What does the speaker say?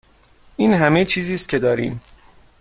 این همه چیزی است که داریم.